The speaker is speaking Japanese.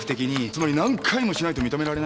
つまり何回もしないと認められないんだ。